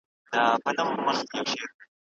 ټولې لیکوالانې افغانې دي.